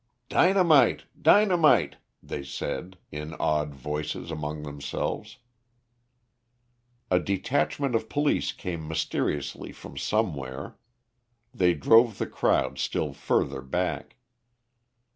"Dynamite! dynamite!" they said, in awed voices among themselves. A detachment of police came mysteriously from somewhere. They drove the crowd still further back.